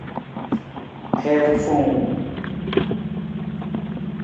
Hiir fowung.